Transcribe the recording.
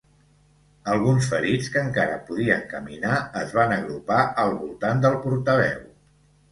Alguns ferits, que encara podien caminar, es van agrupar al voltant del portaveu.